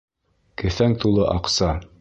Кеҫәң тулы аҡса!